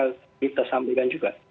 kita sampaikan juga